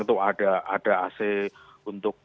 itu ada ac untuk